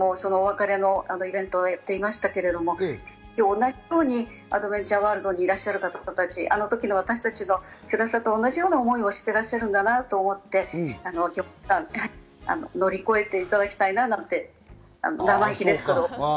今日、私たちも、お別れのイベントをやっていましたけれども、同じようにアドベンチャーワールドにいらっしゃる方たち、あの時の私たちの辛さと一緒の思いをしているんだなと思って、乗り越えていただきたいなぁなんて、生意気ですけど。